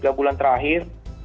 secara eskapit melakukan penyidik